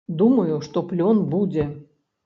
Думаю, што плён будзе.